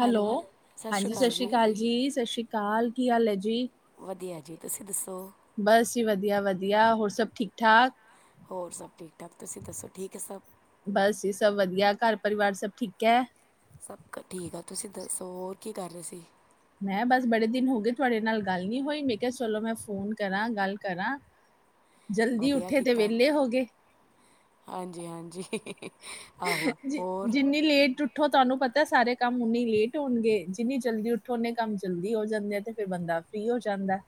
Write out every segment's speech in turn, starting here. Hello, ਹਾਂਜੀ ਸਤ ਸ਼੍ਰੀ ਕਾਲ ਜੀ, ਸਤ ਸ਼੍ਰੀ ਕਾਲ। ਕੀ ਹਾਲ ਹੈ ਜ ਜੀ, ਵਧੀਆ ਜੀ ਤੁਸੀਂ ਦੱਸੋ ਬਸ ਜੀ ਵਧੀਆ ਵਧੀਆ। ਹੋਰ, ਸਭ ਠੀਕ-ਠਾਕ? ਹੋਰ, ਸਭ ਠੀਕ? ਠਾਕ ਤੁਸੀਂ ਦੱਸੋ ਠੀਕ ਹੈ ਸਭ ਬਸ ਈ ਸਭ ਵਧੀਆ। ਘਰ ਪਰਿਵਾਰ ਸਭ ਠੀਕ ਹੈ? ਸਭ ਕ ਠੀਕ ਆ। ਤੁਸੀਂ ਦੱਸੋ, ਹੋਰ ਕੀ ਕਰ ਰੇ ਸੀ? ਮੈਂ ਬਸ ਬੜੇ ਦਿਨ ਹੋ ਗਏ ਤੁਹਾਡੇ ਨਾਲ ਗੱਲ ਨੀ ਹੋਈ ਮੈਂ ਕਿਆ ਚਲੋ ਮੈਂ ਫੋਨ ਕਰਾਂ ਗੱਲ ਕਰਾਂ। ਜਲਦੀ ਵਧੀਆ ਉੱਠੇ ਤੇ ਕੀਤਾ ਵੇਲੇ ਹੋ ਗੇ। ਹਾਂਜੀ ਹਾਂਜੀ ਹ ਆਹੋ ਜੀ ਹੋਰ ਜਿੰਨੀ ਲੇਟ ਉੱਠੋ ਤੁਹਾਨੂੰ ਪਤ ਤਂ ਸਾਰੇ ਕੰਮ ਉਨੀ ਲੇਟ ਹੋਣਗੇ, ਜਿੰਨੀ ਜਲਦੀ ਉੱਠੋ ਉਨੇ ਕੰਮ ਜਲਦੀ ਹੋ ਜਾਂਦੇ ਆ, ਤੇ ਫੇਰ ਬੰਦਾ ਫ੍ਰੀ ਹੋ ਜਾਂਦ ਹੁੰਦੈ।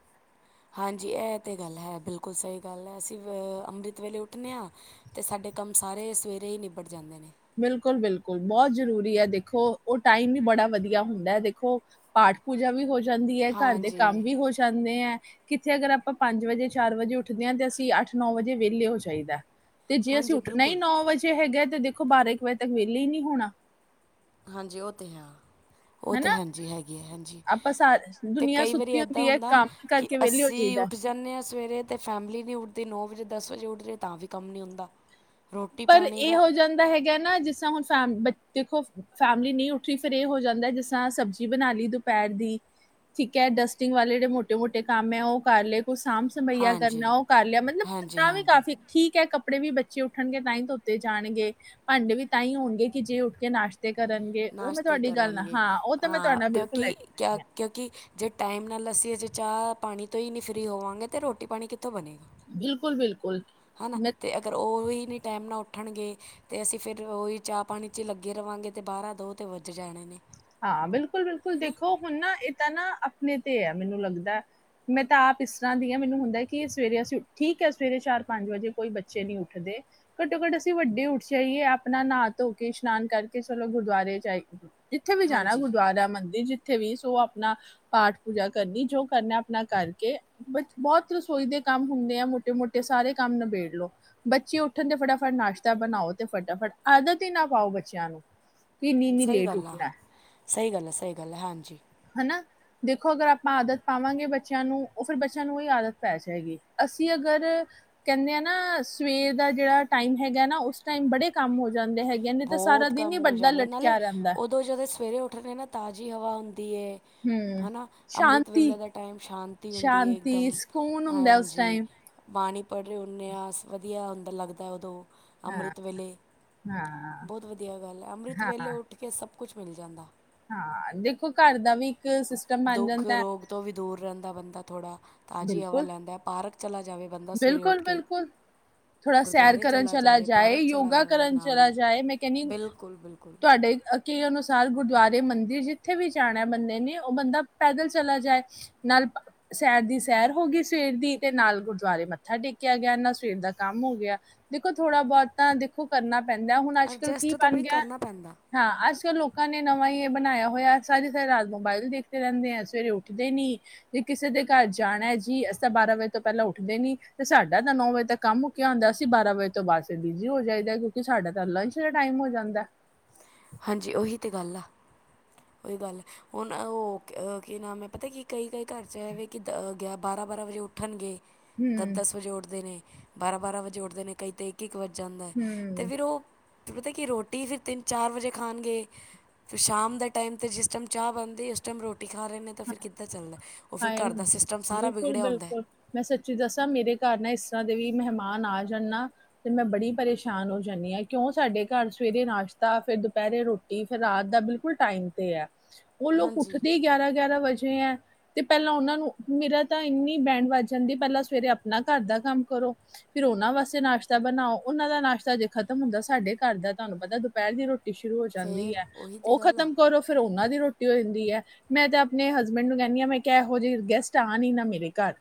ਹਾਂਜੀ ਐ ਤੇ ਗੱਲ ਹੈ, ਬਿਲਕੁਲ ਸਹੀ ਗੱਲ ਐ, ਅਸੀਂ ਵਅ ਅੰਮ੍ਰਿਤ ਵੇਲੇ ਉੱਠਣੇ ਆਂ, ਤੇ ਸਾਡ ਡੇ ਕੰਮ ਸਾਰੇ ਸਵੇਰੇ ਹੀ ਨਿਬੜ ਜਾਂਦੇ ਨੇ। ਬਿਲਕੁਲ ਬਿਲਕੁਲ ਬੋਤ ਜਰੂਰੀ ਹੈ, ਦੇਖੋ ਓਹ ਟਾਈਮ ਈ ਬੜਾ ਵਧੀਆ ਹੁੰਦੈ, ਦੇਖੋ ਪਾ ਪਾਠ ਪੂਜਾ ਵੀ ਹੋ ਜਾਂਦੀ ਹੈ ਘਰ ਦੇ ਕੰਮ ਹਾਂਜੀ ਵੀ ਹੋ ਜਾਂਦੇ ਐ। ਕਿੱਥੇ ਅਗਰ ਅਪਾਂ ਪੰਜ ਵਜੇ ਚਾਰ ਵਜੇ ਉੱਠਦੇ ਆਂ ਤੇ ਅਸੀਂ ਅੱਠ ਨੌ ਵਜੇ ਵੇਲੇ ਹੋ ਜਾਈਦੈ। ਤੇ ਜੇ ਅਸੀਂ ਹਾਂਜੀ ਉੱਠਣਾ ਹੀ ਬਿਲਕੁਲ ਨੌ ਵਜੇ ਹੈਗੈ, ਤੇ ਦੇਖੋ ਬਾਰਾਂ ਇੱਕ ਵਜੇ ਤੱਕ ਵੇਲੇ ਈ ਨੀ ਹੋਣਾ। ਹਾਂਜੀ ਓਹ ਤੇ ਹੈ। ਓਹ ਤੇ ਹਨਾ। ਹਾਂਜੀ ਹੈਗੀ ਐਂ, ਹਾਂਜੀ ਆਪਾਂ ਸਾਰ ਤੇ ਦੁਨੀਆ ਕਈ ਵਾਰੀ ਸੁੱਤੀ ਏਦਾਂ ਹੁੰਦੀ ਹੈ ਹੁੰਦਾ ਕੰਮ ਕਿ ਕਰਕੇ ਵਿਹਲੇ ਹੋ ਅੱਸੀ ਈ ਜਾਈਦਾ। ਉੱਠ ਜਾਂਣੇ ਆਂ ਸਵੇਰੇ ਤੇ ਫੈਮਲੀ ਨੀ ਉੱਠਦੀ ਨੌ ਵਜੇ ਦਸ ਵਜੇ ਉੱਠਰੇ ਤਾਂ ਵੀ ਕੰਮ ਨੀ ਹੁੰਦਾ। ਰੋਟੀ ਪਰ ਪਾਣੀ ਏਹ ਦਾ ਹੋ ਜਾਂਦਾ ਹੈਗਾ ਨਾ ਜਿਸ ਤ੍ਹਾਂ ਹੁਣ ਫੈਮ ਬੱਚ ਦੇਖੋ ਫੈਮਿਲੀ ਨੀ ਉੱਠਰੀ ਫੇਰ ਏ ਹੋ ਜਾਂਦੈ ਜਿਸ ਤਰਾ ਸਬਜ਼ੀ ਬਣਾ ਲੀ ਦੁਪੈਰ ਦੀ। ਠੀਕ ਐ, ਡਸਟਿੰਗ ਵਾਲੇ ਜੇੜੇ ਮੋਟੇ ਮੋਟੇ ਕੰਮ ਹੈ ਓਹ ਕਰ ਲੇ। ਕੋਈ ਸਾਂਭ ਸੰਭਈਆ ਹਾਂਜੀ ਕਰਨੈ ਓਹ ਕਰ ਲਿਆ। ਮਤਲਬ ਹਾਂਜੀ ਤਾਂ ਵੀ ਹਾਂਜੀ ਕਾਫੀ ਠੀਕ ਹੈ, ਕੱਪੜੇ ਵੀ ਬੱਚੇ ਉੱਠ ਉਠਣਗੇ ਤਾਂਹੀ ਧੋਤੇ ਜਾਣਗੇ, ਭਾੰਡੇ ਵੀ ਤਾਂ ਹੀ ਹੋਣਗੇ ਕਿ ਜੇ ਉੱਠ ਕੇ ਨਾਸ਼ਤ ਨਾਸ਼ਤੇ ਕਰਨਗੇ, ਉਹ ਤਾਂ ਮੈਂ ਆਂ ਤੁਹਾਡੇ ਨਾਲ ਬਿਲਕੁਲ ਕਿਉਂਕਿ ਕ ਐਗਰੀ ਹਾਂ, ਕਿਉਂਕਿ ਜੇ ਟਾਈਮ ਨਾਲ ਅੱਸੀ ਅਜੇ ਚਾਹ ਪਾਣੀ ਤੋਂ ਈ ਨੀ ਫਰੀ ਹੋਵਾਂਗੇ ਤੇ ਰੋਟੀ ਪਾਣੀ ਕਿੱਥੋਂ ਬਣੇਗਾ। ਬਿਲਕੁਲ ਬਿਲਕੁਲ। ਹਨਾ, ਤੇ ਅਗਰ ਓਹ ਵੀ ਨੀ ਟੈਮ ਨਾ ਉੱਠਣਗੇ ਤੇ ਅਸੀਂ ਫਿਰ ਓਹੀ ਚਾਹ ਪਾਣੀ 'ਚ ਹੀ ਲੱਗੇ ਰਵਾਂਗੇ ਤੇ ਬਾਰਾਂ ਦੋ 'ਤੇ ਵੱਜ ਜਾਣੇ ਨੇ। ਹੈ ਹਾਂ ਬਿਲਕੁਲ ਬਿਲਕੁਲ, ਨਾ ਦੇਖੋ ਹੁਣ ਨਾ ਏ ਤਾਂ ਨਾ ਅਪਣੇ ਤੇ ਐ ਮੈਨੂੰ ਲੱਗਦੈ। ਮੈਂ ਤਾਂ ਆਪ ਇਸ ਤਰ੍ਹਾਂ ਦੀ ਹਾਂ ਮੈਨੂੰ ਹੁੰਦਾ ਕਿ ਸਵੇਰੇ ਅਸੀਂ ਉ--ਠੀਕ ਹੈ ਸਵੇਰੇ ਚਾਰ ਪੰਜ ਵਜੇ ਕੋਈ ਬੱਚੇ ਨੀ ਉੱਠਦੇ। ਘੱਟੋ ਘੱਟ ਅਸੀਂ ਵੱਡੇ ਉੱਠ ਜਾਈਏ, ਆਪਣਾ ਨਾ ਧੋ ਕੇ ਇਸ਼ਨਾਨ ਕਰਕੇ ਚਲੋ ਗੁਰਦੁਆਰੇ ਜਾਈ ਥੇ ਵੀ ਜਾਣੈ ਹਾਂਜੀ ਗੁਰਦੁਆਰਾ ਮੰਦਿਰ ਜਿਥ ਥੇ ਵੀ ਸੋ ਆਪਣਾ ਪਾਠ ਪੂਜਾ ਕਰਨੀ ਜੋ ਕਰਨਾ ਅਪਣਾ ਕਰਕੇ ਬਚ ਬੌਤ ਰਸੋਈ ਦੇ ਕੰਮ ਹੁੰਦੇ ਆ ਮੋਟੇ ਮੋਟੇ ਸਾਰੇ ਕੰਮ ਨਬੇੜ ਲੋ, ਬੱਚੇ ਉੱਠਣ ਤੇ ਫਟਾਫਟ ਨਾਸ਼ਤਾ ਬਣਾਓ, ਤੇ ਫਟਾਫ ਫਟ ਆਦਤ ਹੀ ਨਾ ਪਾਓ ਬੱਚਿਆਂ ਨੂੰ ਕਿ ਇੰਨੀ ਇੰਨੀ ਲੇਟ ਉੱਠ ਹਾਂ, ਸਹੀ ਗੱਲ ਐ ਸਹੀ ਗੱਲ ਐ, ਹਾਂਜੀ। ਹਨਾ। ਦੇਖੋ ਅਗਰ ਆਪਾਂ ਆਦਤ ਪਾਵਾਂਗੇ ਬੱਚਿਆਂ ਨੂੰ ਓਹ ਫਿਰ ਬੱਚਿਆਂ ਨੂੰ ਓਹੀ ਆਦਤ ਪੈ ਜਏਗੀ। ਅਸੀਂ ਅਗਰ ਕਹਿੰਦੇ ਆ ਨਾ ਸਵੇਰ ਦਾ ਜਿਹੜਾ ਟਾਈਮ ਹੈਗਾ ਨਾ ਉਸ ਟਾਈਮ ਬੜੇ ਕੰਮ ਹੋ ਜਾ ਬਹੁਤ ਕੰਮ ਹੋ ਜਾਂਦੇ ਨਾਲੇ ਲਟਕਿਆ ਰਹਿੰਦਾ ਉਦੋਂ ਜਦੋਂ ਸਵੇਰੇ ਉੱਠਣੇ ਨਾ ਤਾਜ਼ੀ ਹਵਾ ਹ ਦੀਏ ਹੂੰ ਹਨਾ ਅੰਮ੍ਰਿਤ ਸ਼ਾਂਤੀ ਵੇਲੇ ਦਾ ਟਾਈਮ ਸ਼ਾਂਤੀ ਹੁੰਦੀ ਹੈ ਸ਼ਾਂਤੀ ਇਕਦਮ ਸਕੂਨ ਹੁੰਦਾ ਉਸ ਹਾਂਜੀ ਟਾਈਮ ਬਾਣੀ ਪੜ੍ਹ ਰਹੇ ਹੁੰਨਦੇ ਆ ਵਧੀਆ ਹੁੰਦਾ ਲੱਗਦਾ ਉਦੋਂ ਹਾਂ ਅੰਮ੍ਰਿਤ ਵੇਲੇ ਹਾਂ ਬਹੁਤ ਵਧੀਆ ਗੱਲ ਹੈ ਅੰਮ੍ਰਿਤ ਵੇਲੇ ਹਾਂ ਉੱਠ ਕੇ ਸਭ ਕੁਛ ਮਿਲ ਜਾਂਦਾ ਹਾਂ ਦੇਖੋ ਘਰ ਦਾ ਵੀ ਇੱਕ ਸਿਸਟਮ ਬਣ ਦੁੱਖ ਜਾਂਦਾ ਹੈ। ਰੋਗ ਤੋਂ ਵੀ ਦੂਰ ਰਹਿੰਦਾ ਬੰਦਾ ਥੋੜ੍ਹਾ ਤਾਜ਼ੀ ਹਵਾ ਬਿਲਕੁਲ ਲੈਂਦਾ ਹੈ ਪਾਰਕ ਚਲਾ ਜਾਵੇ ਬੰਦਾ ਸਵੇਰੇ ਉੱਠ ਕੇ। ਥੋਡਾ ਸੈਰ ਗੁਰਦੁਆਰੇ ਕਰਨ ਚਲਾ ਜਾਵੇ ਜਾਏ ਪਾਰਕ ਚਲਾ ਯੋਗਾ ਜਾਵੇ ਕਰਨ ਨਾਲ ਚਲਾ ਹੀ ਜਾਏ ਮੈਂ ਕਹਿੰਦੀ ਬਿਲਕੁਲ ਬਿਲਕੁਲ ਤੁਹਾਡੇ। ਕੀ ਉਹਨੂੰ। ਸਾਰ ਗੁਰਦੁਆਰੇ ਮੰਦਿਰ ਜਿੱਥੇ ਵੀ ਜਾਣਾ ਬੰਦੇ ਨੇ ਉਹ ਬੰਦਾ ਪੈਦਲ ਚਲਾ ਜਾਏ ਨਾਲ। ਸੈਰ ਦੀ ਸੈਰ ਹੋ ਗਈ ਸਵੇਰ ਦੀ ਤੇ ਨਾਲ ਗੁੜ ਗੁਰੂਦਵਾਰੇ ਮੱਥਾ ਟੇਕਿਆ ਗਿਆ ਨਾਲ ਸਵੇਰ ਦਾ ਕੰਮ ਹੋ ਗਿਆ ਦੇਖੋ ਥੋੜਾ ਬਹੁਤ ਤਾਂ ਦੇਖੋ ਕਰਨਾ। ਪੈਂਦਾ ਹੁਣ ਅੱਜ ਕੱਲ ਕੀ ਐਡਜਸਟ ਤਾਂ ਬਣ ਬਈ ਗਿਆ ਕਰਨਾ ਪੈਂਦਾ ਹਾਂ ਅੱਜ ਕੱਲ ਲੋਕ। ਨੇ ਨਵਾਂ ਹੀ ਬਣਾਇਆ ਹੋਇਆ ਸਾਰੀ ਸਾਰੀ ਰਾਤ ਮੋਬਾਇਲ ਦੇਖਦੇ ਰਹਿੰਦੇ ਐ ਸਵੇਰੇ ਉੱਠਦੇ ਨੀ ਵੀ ਕਿਸੇ ਦੇ ਘਰ ਜਾਣਾ ਹੈ ਜੀ ਅਸੀਂ ਬਾਰਾਂ ਵਜੇ ਤੋਂ ਪਹਿਲਾਂ ਉੱਠ ਦੇ ਨੀ ਤੇ ਸਾਡਾ ਤਾਂ ਨੌ ਵਜੇ ਤੱਕ ਕੰਮ ਮੁੱਕਿਆ ਹੁੰਦਾ ਅਸੀਂ ਬਾਰਾਂ ਵਜੇ ਤੋਂ ਬਾਦ ਬਿਜੀ ਹੋ ਜਾਈਦਾ ਕਿਉਂਕਿ ਸਾਡਾ ਤਾਂ। ਲੰਚ ਦਾ ਟਾਈਮ ਹੋ ਜਾਂਦਾ। ਹਾਂਜੀ ਉਹੀ ਤੇ ਗੱਲ ਆ। ਉਹੀ ਗੱਲ ਹੁਣ ਉਹ ਕੀ ਨਾਮ ਹੈ ਪਤਾ ਕੀ ਕਈ ਕਈ ਘਰ ਚ ਇਹ ਵੇ ਕਿ ਬਾਰਾਂ ਬਾਰਾਂ। ਵਜੇ ਉੱਠਣਗੇ ਹੂੰ ਦਸ ਦਸ ਵਜੇ ਉੱਠਦੇ ਨੇ ਬਾਰਾਂ ਬਾਰਾਂ ਵਜੇ ਉੱਠਦੇ ਨੇ ਕਈ ਤੇ ਇੱਕ ਇੱਕ ਵਜੇ। ਜਾਂਦਾ ਹੈ ਤੇ ਹੂੰ, ਫਿਰ ਉਹ। ਪਤਾ ਕਿ ਰੋਟੀ ਫਿਰ ਤਿੰਨ ਚਾਰ ਵਜੇ ਖਾਣਗੇ ਫਿਰ ਸ਼ਾਮ ਦਾ। ਟਾਈਮ ਤੇ ਜਿਸ ਟਾਈਮ ਚਾਹ ਬਣਦੀ ਉਸ ਟਾਈਮ ਰੋਟੀ ਖਾ ਰਹੇ ਨੇ ਤਾਂ ਫਿਰ ਕਿੱਦਾਂ ਚੱਲਦਾ ਏ। ਹਾਏ ਬਿਲਕੁਲ ਬਿਲਕੁਲ ਮੈਂ ਸੱਚੀ ਦੱਸਾਂ ਮੇਰੇ ਘਰ ਨਾ ਇਸ ਤਰ੍ਹਾਂ ਦੀ। ਵੀ ਮਹਿਮਾਨ ਆ ਜਾਂਣ ਨਾ ਮੈਂ ਬੜੀ ਪਰੇਸ਼ਾਨ ਹੋ ਜਾਂਦੀ ਹਾਂ ਕਿਉਂ ਸਾਡੇ ਘਰ ਸਵੇਰੇ ਨਾਸ਼ਤਾ। ਫੇਰ ਦੁਪਹਿਰੇ ਰੋਟੀ ਫਿਰ ਰਾਤ ਦਾ ਬਿਲਕੁਲ ਟਾਈਮ ਤੇ ਹੈ। ਉਹ ਲੋਕ ਹਾਂਜੀ ਉੱਠਦੇ ਹੀ ਗਿਆਰਾਂ ਗਿਆਰਾਂ ਵਜੇ ਹੈ। ਤੇ ਪਹਿਲਾਂ ਉਹਨਾਂ ਨੂੰ ਮੇਰਾ ਤਾਂ ਇੰਨੀ ਬੈਂਡ ਵੱਜ ਜਾਂਦੀ ਪਹਿਲਾਂ ਸਵੇਰੇ ਆਪਣਾ ਘਰ ਦਾ ਕੰਮ ਕਰੋ। ਫਿਰ ਉਹਨਾਂ ਵਾਸਤੇ ਨਾਸ਼ਤਾ ਬਣਾਓ ਉਹਨਾਂ ਦਾ ਨਾਸ਼ਤਾ ਜੇ ਖਤਮ ਹੁੰਦਾ ਸਾਡੇ ਘਰ ਦਾ ਤੁਹਾਨੂੰ ਪਤਾ ਦੁਪਹਿਰ ਦੀ ਰੋਟੀ ਸ਼ੁਰੂ ਹੋ ਜਾਂਦੀ ਫੇਰ ਹੈ ਉਹੀ ਤੇ ਉਹ ਗੱਲ ਆ ਖਤਮ ਕਰੋ ਫਿਰ। ਉਹਨਾਂ ਦੀ ਰੋਟੀ ਜਾਂਦੀ ਹੈ ਮੈਂ ਤੇ ਆਪਣੇ ਹਸਬੈਂਡ ਨੂੰ ਕਹਿੰ ਹ ਮੈਂ ਕਿਹਾ ਇਹੋ ਜਿਹੇ ਗੈਸਟ ਆਉਣ ਈ ਨਾ ਮੇਰੇ ਘਰ।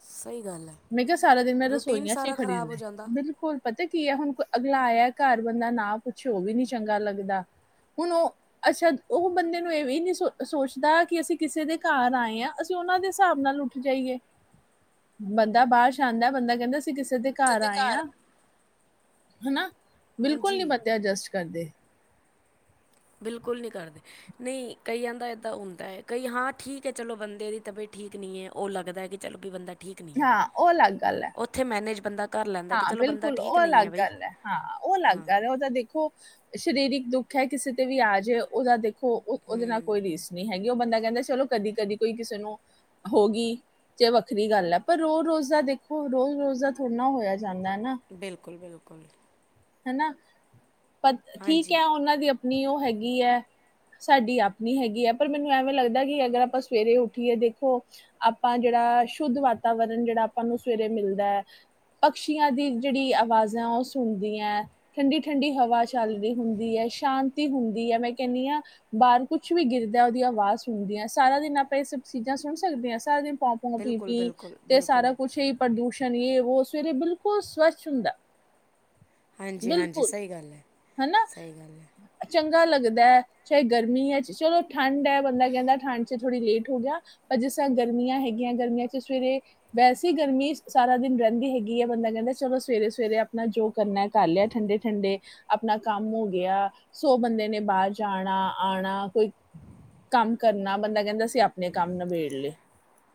ਸਹੀ ਗੱਲ ਹੈ ਮੈਂ ਕਿਹਾ ਸਾਰਾ ਦਿਨ ਮੈਂ ਰੂਟੀਨ ਰਸੋਈਆਂ ਚ ਸਾਰਾ ਖੜੀ ਖ਼ਰਾਬ ਹੋ ਰਹਿਨੀ ਜਾਂਦਾ ਬਿਲਕੁਲ। ਪਤਾ ਕੀ ਹੈ ਹੁਣ ਅਗਲਾ ਆਇਆ ਘਰ ਬੰਦਾ ਨਾ ਪੁੱਛੇ ਉਹ ਵੀ ਨੀ ਚੰਗਾ ਲੱਗਦਾ। ਹੁਣ ਉਹ ਅੱਛਾ ਉਹ ਬੰਦੇ ਨੂੰ ਇਹ ਵੀ ਨਹੀ ਸ ਸੋਚਦਾ ਕਿ ਅਸੀਂ ਕਿਸੇ ਦੇ ਘਰ ਆਏ ਹਾਂ ਅਸੀਂ ਉਹਨਾਂ ਦੇ ਹਿਸਾਬ ਨਾਲ ਉੱਠ ਜਾਈਏ। ਬੰਦਾ ਬਾਹਰ ਆਂਦਾ ਬੰਦਾ ਕਹਿੰਦਾ। ਸੀਂ ਕਿਸੇ ਦੇ ਘਰ ਆਏ ਹਾਂ ਹਨਾ ਬਿਲਕੁਲ ਨੀ ਹਾਂਜੀ ਬੰਦੇ ਐਡਜਸਟ ਕਰਦੇ। ਬਿਲਕੁਲ ਨਹੀਂ ਕਰਦੇ ਨਹੀਂ ਕਈਆਂ ਦਾ ਏਦਾਂ ਹੁੰਦਾ ਹੈ ਕਈ ਹਾਂ ਠੀਕ ਹੈ ਚਲੋ ਬੰਦੇ ਦੀ ਤਬੀ ਠੀਕ ਨੀ ਹੈ ਉਹ ਲੱਗਦਾ ਕਿ ਚਲੋ ਕਿ ਬੰਦਾ ਠੀਕ ਨਹੀਂ ਹੈ ਹਾਂ ਉਹ ਅਲੱਗ ਗੱਲ ਹੈ ਉਥੇ ਮੈਨੇਜ। ਬੰਦਾ ਕਰ ਲੈਂਦਾ ਹਾਂ ਚਲੋ ਬਿਲਕੁਲ ਉਹ ਅਲੱਗ ਗੱਲ ਹੈ ਉਹ ਅਲੱਗ ਹਾਂ ਗੱਲ ਹੈ ਉਹ ਤਾਂ ਦੇਖੋ ਸ਼ਰੀਰਕ ਦੁੱਖ। ਹੈ ਕਿਸੇ ਤੇ ਵੀ ਆ ਜਾੇ ਉਹਦਾ ਦੇਖੋ ਉਹਦੇ ਨਾਲ ਹੂੰ ਕੋਈ ਰੀਸ ਨਹੀਂ ਹੈਗੀ। ਉਹ ਬੰਦਾ ਕਹਿੰਦਾ ਚਲੋ ਕਦੀ ਕਦੀ ਕੋਈ ਕਿਸੇ ਨੂੰ ਹੋ ਗਈ। ਜ ਵੱਖਰੀ ਗੱਲ ਹੈ ਪਰ ਰੋਜ਼ ਰੋਜ਼ ਦਾ ਦੇਖੋ ਰੋਜ਼ ਰੋਜ਼ ਦਾ ਥੋੜਾ ਨਾ ਹੋਇਆ। ਜਾਂਦਾ ਹੈ ਨਾ, ਬਿਲਕੁਲ ਬਿਲਕੁਲ। ਹਨਾ ਪ ਠੀਕ ਹਾਂਜੀ ਹੈ ਉਹਨਾਂ ਦੀ ਆਪਣੀ ਉਹ ਹੈਗੀ ਹੈ। ਸਾਡੀ ਆਪਣੀ ਹੈਗੀ ਹੈ ਪਰ ਮੈਨੂੰ ਐਵੇਂ ਲੱਗਦਾ ਕਿ ਅਗਰ ਆਪਾਂ ਸਵੇਰੇ ਉੱਠੀਏ ਦੇਖੋ ਆਪਾਂ ਜਿਹੜਾ ਸ਼ੁੱਧ ਵਾਤਾਵਰਨ ਜਿਹੜਾ ਆਪਾਂ ਨੂੰ ਸਵੇਰੇ ਮਿਲਦਾ ਹੈ। ਪਕਸ਼ੀਆਂ ਦੀ ਜਿਹੜੀ ਆਵਾਜਾਂ ਆ ਉਹ ਸੁਣਦੀਆਂ। ਠੰਡੀ ਠੰਡੀ ਹਵਾ ਚੱਲ ਰਹੀ ਹੁੰਦੀ ਹੈ ਸ਼ਾਂਤੀ ਹੁੰਦੀ ਹੈ ਮੈਂ ਕਹਿੰਦੀ ਹਾਂ ਬਾਹਰ ਕੁਛ। ਕੁਛ ਵੀ ਗਿਰਦਾ ਉਹਦੀ ਆਵਾਜ਼ ਸੁਣਦੀ ਹ ਸਾਰਾ ਦਿਨ ਆਪਾਂ ਇਹ ਸਭ ਚੀਜ਼ਾਂ ਸੁਣ ਸਕਦੇ ਹਾਂ ਸਾਰਾ ਦਿਨ। ਪੋਂ ਪੌ ਪੀ ਬਿਲਕੁਲ ਪੀ ਬਿਲਕੁਲ ਤੇ ਸਾਰਾ ਬਿਲਕੁਲ ਕੁਛ ਹੀ ਪ੍ਰਦੂਸ਼ਣ। ਉਹੋ ਸਵੇਰੇ ਬਿਲਕੁਲ ਸਵੱਛ ਹੁੰਦਾ। ਹਾਂਜੀ ਹਾਂਜੀ ਬਿਲਕੁਲ ਸਹੀ ਗੱਲ ਹੈ ਹਨਾ ਸਹੀ ਗੱਲ ਹੈ ਚੰ ਚੰਗਾ ਲੱਗਦਾ ਹੈ ਚਾਹੇ ਗਰਮੀ ਹੈ ਚ ਚਲੋ ਠੰਡ ਹੈ ਬੰਦਾ ਕਹਿੰਦਾ ਠੰਡ ਚ ਥੋੜੀ ਲੇਟ ਹੋ ਗਿਆ ਪਰ ਜਿਸ ਗਰਮੀਆਂ ਹੈਗੀਆਂ ਗਰਮੀਆਂ ਚ ਸਵੇਰੇ ਵੈਸੇ ਗਰਮੀ ਸਾਰਾ ਦਿਨ ਰਹਿੰਦੀ ਹੈਗੀ ਹੈ ਬੰਦਾ ਕਹਿੰਦਾ ਚਲੋ। ਸਵੇਰੇ ਸਵੇਰੇ ਆਪਣਾ ਜੋ। ਕਰਨਾ ਕਰ ਲਿਆ ਠੰਡੇ ਠੰਡੇ ਆਪਣਾ ਕੰਮ ਹੋ ਗਿਆ ਸੌ ਬੰਦੇ ਨੇ ਬਾਹਰ ਜਾਣਾ ਆ। ਕੋਈ ਕੰਮ ਕਰਨਾ ਬੰਦਾ ਕਹਿੰਦਾ ਅਸੀਂ ਆਪਣੇ ਕੰਮ ਨਬੇੜ ਲਏ।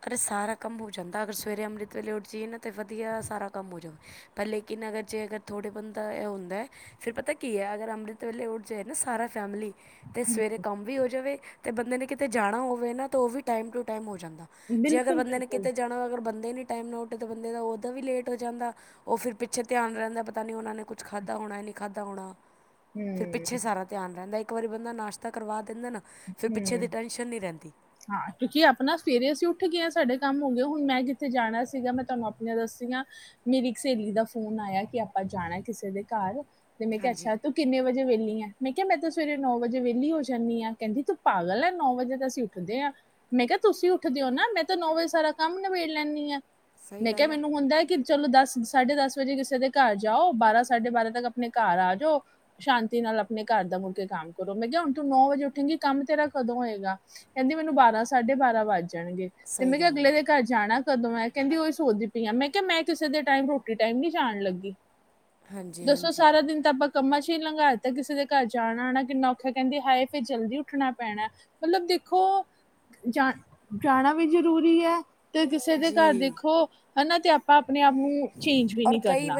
ਅਰੇ ਸਾਰਾ ਕੰਮ ਹੋ ਜਾਂਦਾ ਅਗਰ ਸਵੇਰੇ ਅੰਮ੍ਰਿਤ ਵੇਲੇ ਉੱਠ ਜਾਏ ਨਾ ਤੇ ਵਧੀਆ ਸਾਰਾ ਕੰਮ ਹੋ ਜਾਵੇ ਪਹਿਲੇੇ ਕਿ ਲੇਕਿਨ ਅਗਰ ਜੇ ਅਗਰ ਥੋੜ੍ਹਾ ਬੰਦਾ ਇਹ ਹੁੰਦਾ ਫਿਰ ਪਤਾ ਕੀ ਹੈ ਅਗਰ ਅੰਮ੍ਰਿਤ ਵੇਲੇ ਉਠ ਜੇ ਨਾ ਸਾਰਾ ਫੈਮਲੀ। ਤੇ ਸਵੇਰੇ ਕੰਮ ਵੀ ਹੋ ਜਾਵੇ ਤੇ ਬੰਦੇ ਨੇ ਕਿਤੇ ਜਾਣਾ ਹੋਵੇ ਨਾ ਤੇ ਉਹ ਵੀ ਟਾਈਮ ਟੂ ਟਾਈਮ ਹੋ ਜਾਂਦਾ। ਜੇ ਅਗਰ ਬਿਲਕੁਲ ਬੰਦੇ ਨੇ ਬਿਲਕੁਲ ਕਿਤੇ ਜਾਣਾ ਵ ਅਗਰ ਬੰਦੇ ਟਾਈਮ ਨੋਟ ਬੰਦੇ ਦਾ ਉ ਓਦਾਂ ਵੀ ਲੇਟ ਹੋ ਜਾਂਦਾ ਉਹ ਫਿਰ ਪਿੱਛੇ ਧਿਆਨ ਰਹਿੰਦਾ ਪਤਾ ਨੀ ਉਹਨਾ ਨੇ ਕੁੱਛ ਖਾਧਾ। ਨਹੀਂ ਖਾਧਾ ਹੋਣਾ ਫਿਰ ਹਮ ਪਿੱਛੇ ਸਾਰਾ ਧਿਆਨ ਰਹਿੰਦਾ ਇੱਕ ਵਾਰੀ ਬੰਦਾ ਨਾਸ਼ਤਾ ਕਰਵਾ। ਦਿੰਦਾ ਨਾ ਫਿਰ ਪਿੱਛੇ ਹਮ ਦੀ ਟੈਨਸ਼ਨ ਨਹੀਂ ਰਹਿੰਦੀ ਹਾਂ ਕਿਉਂਕਿ ਆਪਣਾ ਸਵੇਰੇ ਅਸੀਂ ਉਠ। ਉੱਠ ਗਿਆ ਸਾਡੇ ਕੰਮ ਹੋ ਗਏ ਹੁਣ ਮੈਂ ਜਿੱਥੇ ਜਾਣਾ ਸੀਗਾ ਮੈਂ ਤੁਹਾਨੂੰ ਆਪਣੀਆਂ ਦੱਸੀ ਮੇਰੀ ਇੱਕ ਸਹੇਲੀ ਦਾ ਫੋਨ। ਆਇਆ ਕਿ ਆਪਾਂ ਜਾਣਾ ਕਿਸੇ ਦੇ ਘਰ ਤੇ ਮੈਂ ਕਿਹਾ ਹਾਂਜੀ ਅੱਛਾ ਤੂੰ ਕਿੰਨੇ ਵਜੇ ਵਹਲੀ ਆ ਮੈਂ ਕਿਹਾ ਮੈਂ ਤਾਂ ਸਵੇਰੇ ਨੌ ਵਜੇ ਵਹਲੀ ਹੋ ਜਾਂਦੀ ਹਾਂ। ਕਹਿੰਦੀ ਤੂੰ ਪਾਗਲ ਹੈ ਨੌ ਵਜੇ ਤਾਂ ਅਸੀਂ ਉੱਠਦੇ ਹਾਂ ਮੈਂ ਕਿਹਾ ਤੁਸੀਂ ਉੱਠਦੇ ਹੋ ਨਾ ਮੈਂ ਤਾਂ ਨੌ ਵਜੇ ਸਾਰਾ ਕੰਮ ਨ ਲੈਂਦੀ ਆ ਸਹੀ ਮੈਂ ਕਿਹਾ ਗੱਲ ਹੈ ਮੈਨੂੰ ਹੁੰਦਾ ਕਿ। ਚਲੋ ਦਸ ਸਾਢੇ ਦਸ ਵਜੇ ਕਿਸੇ ਦੇ ਘਰ ਜਾਓ ਬਾਰਾਂ ਸਾਢੇ ਬਾਰਾਂ ਤੱਕ ਆਪਣੇ ਘਰ ਆ ਜਾਓ ਸ਼ਾਂਤੀ। ਨਾਲ ਆਪਣੇ ਘਰ ਦਾ ਮੁੜ ਕੇ ਕੰਮ ਕਰੋ ਮੈਂ ਕਿਹਾ ਹੁਣ ਤੂੰ ਨੌ ਵਜੇ ਉ ਕਹਿੰਕਿ ਕੰਮ ਤੇਰਾ ਕਦੋਂ ਹੋਏਗਾ ਕਹਿੰਦੀ ਮੈਨੂੰ ਬਾਰਾਂ ਸਾਢੇ ਬਾਰਾਂ ਵੱਜ ਜਾਣਗੇ ਤੇ ਸਹੀ ਮੈਂ ਕਿਹਾ ਗੱਲ ਅਗਲੇ ਹੈ ਦੇ ਘਰ ਜਾਣਾ। ਕਦੋਂ ਮੈਂ ਕਹਿੰਦੀ ਉਹੀ ਸੋਚ ਦੀ ਪਈ ਅ ਮੈਂ ਕਿਹਾ ਮੈਂ ਕਿਸੇ ਦੇ ਟਾਈਮ ਰੋਟੀ ਟਾਈਮ ਨੀ ਜਾਣ ਲੱਗੀ। ਹਾਂਜੀ ਦੱਸੋ ਹਾਂਜੀ ਸਾਰਾ ਦਿਨ ਤਾਂ ਬ ਕੰਮਾਂ ਚ ਹੀ ਲੰਘਾ ਦਿੱਤਾ ਕਿਸੇ ਦੇ ਘਰ ਜਾਣਾ ਆਣਾ ਕਿੰਨਾ ਔਖਿਆ ਕਹਿੰਦੀ ਹਾਏ। ਫੇ ਜਲਦੀ ਉੱਠਣਾ ਪੈਣਾ ਮਤਲਬ ਦੇਖੋ। ਜਾ ਜਾਣਾ ਵੀ ਜ਼ਰੂਰੀ ਹੈ। ਤੇ ਕਿਸੇ ਦੇ ਘਰ ਜੀ ਦੇਖੋ ਹਨਾ ਤੇ ਆਪਾਂ ਆਪਣੇ ਆਪ ਨੂੰ ਚੇਂਜ ਵੀ ਨਹੀਂ ਕਰਨਾ।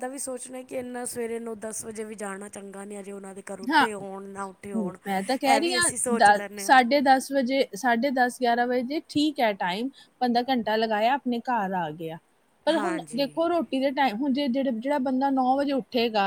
ਦਾ ਵੀ ਸੋਚਣਾ ਕਿ ਇੰਨਾ ਸਵੇਰੇ ਨੂੰ ਦਸ ਵਜੇ ਵੀ ਜਾਣਾ ਚੰਗਾ ਨੀ ਅਜ ਜੇ ਉਹਨਾ ਦੇ ਘਰ ਹਾਂ ਉੇਠੇ ਹੋਣ ਨਾ ਉਠੇ ਹੋਣ ਮੈਂ ਤਾਂ ਕਹਿ ਇਹ ਰਹੀ ਵੀ ਹਾਂ ਅਸੀਂ ਸੋਚ ਦਸ ਲੈਦੇ ਹਾਂ। ਸਾਢੇ ਵਜੇ ਸਾਢੇ ਦਸ ਗਿਆਰਾਂ ਵਜੇ ਠੀਕ ਹੈ ਟਾਈਮ ਬੰਦਾ ਘੰਟਾ ਲਗਾਇਆ ਆਪਣੇ ਘਰ ਆ ਗਿਆ। ਪਰ ਹੁਣ ਹਾਂਜੀ ਦੇਖੋ ਰੋਟੀ ਦੇ। ਮ ਹੁਣ ਜੇ ਜਿਹੜਾ ਜਿਹੜਾ ਬੰਦਾ ਨੌ ਵਜੇ ਉੱਠੇਗਾ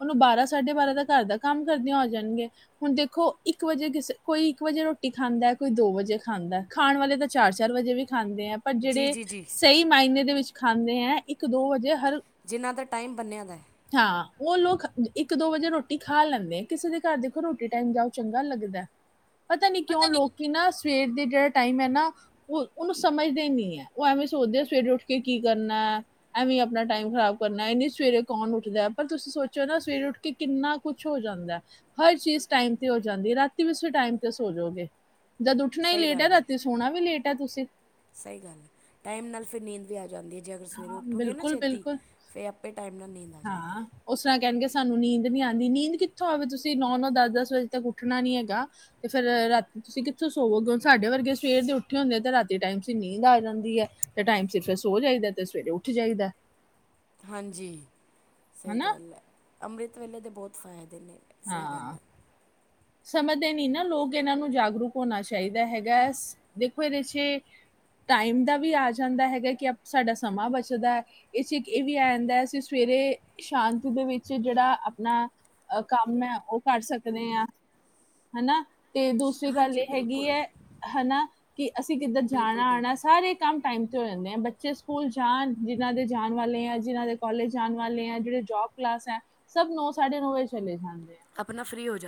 ਉਹਨੂੰ ਬਾਰਾਂ ਸਾਢੇ ਬਾਰਾਂ ਦਾ ਘਰ ਦਾ। ਕੰਮ ਕਰਦਿਆਂ ਹੋ ਜਾਣਗੇ ਹੁਣ ਦੇਖੋ ਇੱਕ ਵਜੇ ਕਿਸੇ ਕੋਈ ਇੱਕ ਵਜੇ ਰੋਟੀ ਖਾਂਦਾ ਕੋਈ ਦੋ ਵਜੇ ਖਾਂਦਾ। ਖਾਣ ਵਾਲੇ ਤਾਂ ਚਾਰ ਚਾਰ ਵਜੇ ਵੀ। ਖਾਂਦੇ ਹੈ ਪਰ ਜੀ ਜਿਹੜੇ ਜੀ ਜੀ ਸਹੀ ਮਾਇਨੇ ਦੇ ਵਿੱਚ ਖਾਂਦੇ ਹੈ ਇੱਕ ਦੋ ਵਜੇ ਹਰ ਜਿਨ੍ਹਾਂ ਦਾ ਟਾਈਮ ਬੰਨਿਆ ਦਾ ਹੈ। ਹਾਂ ਉਹ ਲੋਕ ਇੱਕ ਦੋ ਵਜੇ ਰੋਟੀ ਖਾ ਲੈਂਦੇ ਆ ਕਿਸੇ ਦੇ ਘਰ ਦੇਖੋ ਰੋਟੀ ਟਾਈਮ ਜਾਓ ਚੰਗਾ ਲੱਗਦਾ। ਪਤਾ ਨੀ ਕਿਉਂ ਲੋਕ ਨਾ ਸਵੇਰ ਦੇ ਜਿਹੜਾ ਟਾਈਮ ਹੈ ਨਾ ਉਹ ਉਹਨੂੰ ਸਮਝਦੇ ਨੀ ਹੈ ਉਹ ਐਵੇਂ। ਸੋਚਦੇ ਆ ਸਵੇਰੇ ਉੱਠ ਕੇ ਕੀ ਕਰਨਾ ਐਵੇਂ ਆਪਣਾ ਟਾਈਮ ਖਰਾਬ ਕਰਨਾ ਇਹਨੇ ਸਵੇਰੇ ਕੌਣ ਉੱਠਦਾ ਪਰ ਤੁਸੀਂ। ਸੀ ਸੋਚੋ ਨਾ ਸਵੇਰੇ ਉੱਠ ਕੇ ਕਿੰਨਾ। ਕੁਛ ਹੋ ਜਾਂਦਾ ਹਰ ਚੀਜ਼ ਟਾਈਮ ਤੇ ਹੋ ਜਾਂਦੀ ਰਾਤੀ ਵੀ ਤੁਸੀਂ ਟਾਈਮ ਤੇ ਸੋ ਜਾਓਗੇ। ਜਦ ਉੱਠਣਾ ਹੀ ਸਹੀ ਲੇਟ ਹੈ ਗੱਲ ਰਾਤੀ ਸੋਣਾ ਵੀ ਲੇਟ ਹੈ ਤੁਸੀਂ। ਸਹੀ ਗੱਲ ਹੈ ਟਾਈਮ ਨਾਲ ਫਿਰ ਨੀਂਦ ਵੀ ਆ ਜਾਂਦੀ ਹੈ। ਜੇ ਅਗਰ ਸਵੇਰੇ ਹਾਂ ਉੱਠੋਗੇ ਨਾ ਬਿਲਕੁਲ ਛੇਤੀ ਬਿਲਕੁਲ ਫਿਰ ਆਪੇ ਟਾਈਮ ਨਾਲ। ਨੀਂਦ ਆ ਜਾਂਦੀ ਹਾਂ ਉਸ ਰ੍ਹਾਂ ਕਹਿਣਗੇ। ਸਾਨੂੰ ਨੀਂਦ ਨੀ ਆਉਂਦੀ ਨੀਂਦ ਕਿੱਥੋਂ ਆਵੇ ਤੁਸੀਂ ਨੌ ਨੌ ਦਸ ਦਸ ਵਜੇ ਤੱਕ ਉੱਠਣਾ ਨੀ ਹੈਗਾ ਤੇ ਫਿਰ ਰਾਤੀ। ਤੁਸੀਂ ਕਿੱਥੋਂ ਸੋਵੋ ਕਿਉਂ ਸਾਡੇ ਵਰਗੇ ਸਵੇਰ ਦੇ ਉੱਠੇ ਹੁੰਦੇ ਆ ਤੇ ਰਾਤੀ ਟਾਈਮ ਸ ਨੀਂਦ ਆ ਜਾਂਦੀ ਹੈ। ਤੇ ਟਾਈਮ ਸਿਰ ਸੋ ਜਾਈਦਾ ਤੇ ਸਵੇਰੇ ਉੱਠ ਜਾਈਦਾ। ਹਾਂਜੀ ਸਹੀ ਹਨਾ ਗੱਲ ਹੈ। ਅੰਮ੍ਰਿਤ ਵੇਲੇ ਦੇ ਬਹੁਤ ਫਾਇਦੇ। ਦੇਨ ਸਹੀ ਗੱਲ ਹਾਂ ਹੈ। ਸਮਝਦੇ ਨਹੀਂ ਨਾ ਲੋਕ ਇਹਨਾਂ ਨੂੰ ਜਾਗਰੂਕ ਹੋਣਾ ਚਾਹੀਦਾ ਹੈਗਾ ਦੇਖੋ ਇਹ ਦੇਛ ਟਾਈਮ ਦਾ ਵੀ ਆ ਜਾਂਦਾ ਹੈਗਾ ਕਿ ਸਾਡਾ ਸਮਾਂ ਬਚਦਾ ਇਹ ਚ ਇਹ ਵੀ ਆ ਜਾਂਦਾ ਹੈਸੀ ਸਵੇ। ਮੇਰੇ ਸ਼ਾਂਤੀ ਦੇ ਵਿੱਚ ਜਿਹੜਾ ਆਪਣਾ ਅ ਕੰਮ ਹੈ ਉਹ ਕਰ ਸਕਦੇ ਹਾਂ ਹਨਾ ਅਤੇ ਦੂਸਰੀ ਗੱਲ ਹਾਂਜੀ ਇਹ ਹੈਗੀ ਬਿਲਕੁਲ ਹੈ ਹੈਾ ਕਿ ਅਸੀਂ ਕਿੱਧਰ ਜਾਣਾ ਬਿਲਕੁਲ ਆਉਣਾ ਬਿਲਕੁਲ ਸਾਰੇ ਕੰਮ ਟਾਈਮ ਜਾਂਦੇ ਆ ਬੱਚੇ ਸਕੂਲ ਜਾਣ ਜਿਹਨ੍ਹਾਂ ਦੇ ਜਾਣ ਵਾਲੇ ਆ ਜਿਨਾਂ ਦੇ ਕੋਾਲਜ ਜਾਣ ਵਾਲੇ ਆ ਜਿਹੜੇ ਜੋਬ ਕਲਾ ਸਭ ਨੌ ਸਾਢੇ ਨੌ ਵਜੇ ਚਲੇ ਜਾਂਣਦੇ ਆਪਣਾ ਫ੍ਰੀ ਹੋ ਜਾ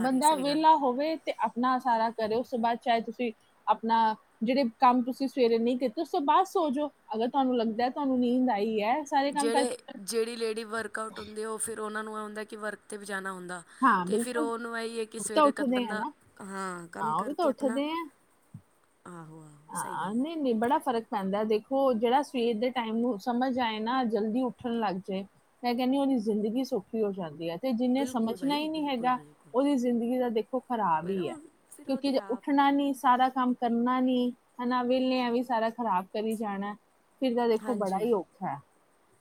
ਬੰਦਾ ਵਿਹਲਾ ਹੋਵੇ ਤੇ ਆਪਣਾ ਸਾਰਾ ਕਰੇ ਉਸ ਤੋਂ ਬਾਅਦ ਚਾਹੇ ਤੁਸੀਂ ਆਪਣਾ ਜਿਹੜੇ ਕੰਮ ਤੁਸੀਂ ਸਵੇਰੇ ਨਹੀਂ ਕੀਤੇ ਉਸ ਤੋਂ ਬਾਅਦ ਸੋ ਜਾੋ ਅ ਤੁਹਾਨ ਲੱਗਦਾ ਤੁਹਾਨੂੰ ਨੀਂਦ ਆਈ ਹੈ ਸਾਰੇ ਕੰਮ ਕਰ ਜਿਹੜੇ ਜਿਹੜੀ ਲੇਡੀ ਵਰਕ ਆਊਟ ਹੁੰਦੀ ਉਹ ਫਿਰ ਉਹਨਾਂ ਨੂੰ ਹੁੰਦਾ ਕਿ ਵਰਕ 'ਤੇ ਵੀ ਜਾਣਾ ਹੁੰਦਾ ਹਾਂ ਤੇ ਫਿਰ ਬਿਲਕੁਲ ਉਹਨੂੰ ਇਹੀ ਹੈ ਕਿ ਉਹ ਤਾਂ ਸਵੇਰੇ ਉੱਠਦੇ ਆ ਬੰਦਾ ਨਾ ਹਾਂ ਕੰਮ ਕਰਕੇ ਆਪਣਾ ਹ ਆਹੋ ਆਹੋ ਸਹੀ ਹਾਂ ਗੱਲ ਹੈ ਨਹੀਂ ਨਹੀਂ ਬੜਾ ਫ਼ਰਕ ਪੈਂਦਾ ਦੇਖੋ ਉਹ ਜਿਹੜਾ ਸਵੇਰ ਦੇ ਟਾਈਮ ਨੂੰ ਸਮਝ ਆਏ ਨਾ ਜਲਦੀ ਉੱਠਣ ਲੱਗ ਜਾਏ ਮੈਂ ਕਹਿੰਦੀ ਉਹਦੀ ਜ਼ਿੰਦਗੀ ਸਖੀ ਹੋ ਜਾਂਦੀ ਹੈ ਤੇ ਜਿੰਹਨੇ ਬਿਲਕੁਲ ਸਮਝਣਾ ਬਾਈ ਹੀ ਨਹੀਂੀ ਬਿਲਕੁਲ ਹੈਗਾ ਬਿਲਕੁਲ ਉਹਦੀ ਜ਼ਿੰਦਗੀ ਦਾ ਦੇਖੋ ਖ਼ਰਾਬ ਫਿਰ ਹੀ ਹੈ ਉਹ ਫਿਰ ਉਹਦੀ ਕਿਉਂਕਿੇ ਆਪ ਉੱਠਣਾ ਨੀ ਸਾਰਾ ਕੰਮ ਕਰਨਾ ਨੀ ਹਨਾ ਵਿਹ ਆ ਵੀ ਸਾਰਾ ਖ਼ਰਾਬ ਕਰੀ ਜਾਣਾ ਫਿਰ ਤਾਂ ਦੇਖੋ ਬੜਾ ਹਾਂਜੀ ਹੀ ਔਖਾ ਹੈ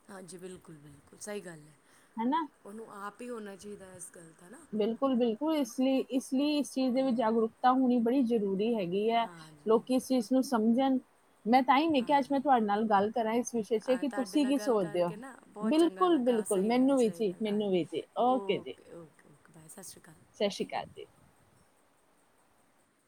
ਹਾਂਜੀ ਬਿਲਕੁਲ ਬਿਲਕੁਲ ਸਹੀ ਗੱਲ ਹੈ ਹਨਾ ਉਹਨੂੰ ਆਪ ਹੀ ਹੋਣਾ ਚਾਹੀਦਾ ਇਸ ਗੱਲ ਦਾ ਨਾ ਬਿਲਕੁਲ ਬਿਲਕੁਲ ਇਸ ਲਈ ਇਸ ਲਈ ਇਸ ਚੀਜ਼ ਦੇ ਵਿੱਚ ਜਾਗਰੂਕਤਾ ਹੋਣੀ ਬੜੀ ਜ਼ਰੂਰੀ ਹੈਗੀ ਹੈਗੀ ਹੈ ਹਾਂਜੀ ਲੋਕੀ ਇਸ ਚੀਜ਼ ਨੂੰ ਸਮਝਣ ਮੈਂ ਤਾਂ ਹੀ ਨੇ ਕਿਹਾ ਅੱਜ ਮੈਂ ਤੁਹਾਡੇ ਨਾਲ ਗੱਲ ਕਰਾਂ ਇਸ ਵਿਸ਼ੇ ਚ ਅ ਕਿ ਤੁਹਾਡੇ ਤੁਸੀਂ ਨਾਲ ਕੀ ਗੱਲ ਸੋਚਦੇ ਹੋ ਕਰਕੇ ਨਾ ਬਹੁਤ ਚੰਗਾ ਬਿਲਕੁਲ ਬਿਲਕੁਲ ਲੱਗਾ ਸਹੀ ਗੱਲ ਸਹੀ ਗੱਲ ਆ ਓਕੇ ਓਕੇ ਓਕੇ ਬਾਏ ਸਤਿ ਸ਼੍ਰੀ ਅਕਾਲ ਸਤਿ ਸ੍ਰੀ ਅਕਾਲ ਜੀ